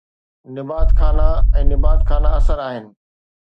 نبات خانہ ۽ نبات خانہ اثر آهن